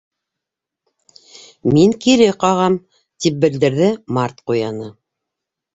—Мин кире ҡағам! —тип белдерҙе Март Ҡуяны.